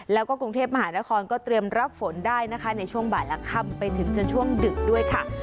แล้วก็กรุงเทพมหานครก็เตรียมรับฝนได้นะคะในช่วงบ่ายและค่ำไปถึงจนช่วงดึกด้วยค่ะ